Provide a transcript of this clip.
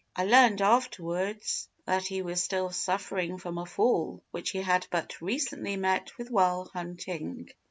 I learned afterwards that he was still suffering from a fall which he had but recently met with while hunting.